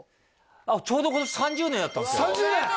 あっちょうど今年３０年だったんですよ３０年！